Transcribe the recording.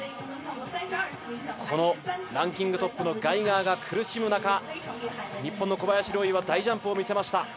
ランキングトップのガイガーが苦しむ中、日本の小林陵侑は大ジャンプを見せました。